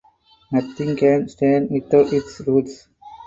Nothing can stand without its roots.